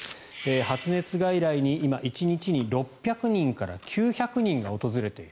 発熱外来に今、１日に６００人から９００人が訪れている。